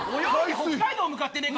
北海道向かってねえか。